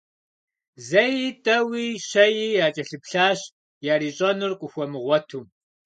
Зэи, тӏэуи, щэи якӏэлъыплъащ, ярищӏэнур къыхуэмыгъуэту.